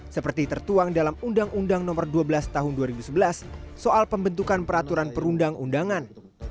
seperti tertuang dalam undang undang nomor dua belas tahun dua ribu sebelas soal pembentukan peraturan perundang undangan